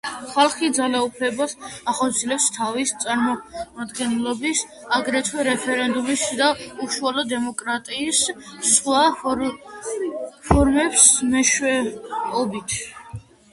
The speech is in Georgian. ხალხი ძალაუფლებას ახორციელებს თავისი წარმომადგენლების, აგრეთვე რეფერენდუმისა და უშუალო დემოკრატიის სხვა ფორმების მეშვეობით.